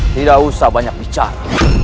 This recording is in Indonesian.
tidak usah banyak bicara